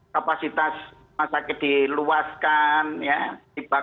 kapasitas masyarakat diluaskan ya